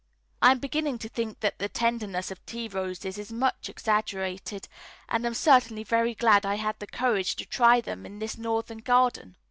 I am beginning to think that the tenderness of tea roses is much exaggerated, and am certainly very glad I had the courage to try them in this northern garden.